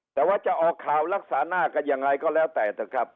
แต่ว่าจะออกข่าวรักษาหน้ากันยังไงก็แล้วแต่เถอะครับ